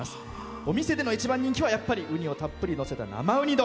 お店での一番人気はウニをたっぷり載せた生ウニ丼。